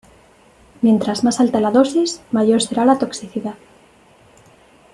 Mientras más alta la dosis, mayor será la toxicidad.